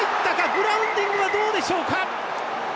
グラウンディングはどうでしょうか。